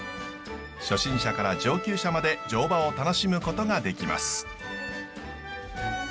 初心者から上級者まで乗馬を楽しむことができます。